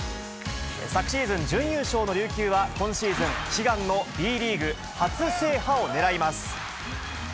昨シーズン、準優勝の琉球は今シーズン、悲願のＢリーグ初制覇を狙います。